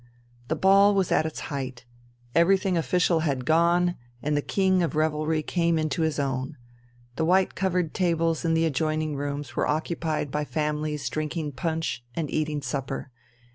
The ball was at its height. Everything official had gone, and the king of revelry came into his own. The white covered tables in the adjoining rooms were occupied by families drinking punch and eating supper.